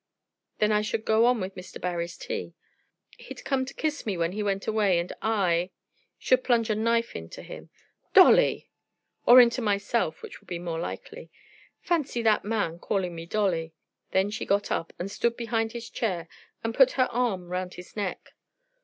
Then I should go on with Mr. Barry's tea. He'd come to kiss me when he went away, and I should plunge a knife into him." "Dolly!" "Or into myself, which would be more likely. Fancy that man calling me Dolly." Then she got up and stood behind his chair and put her arm round his neck.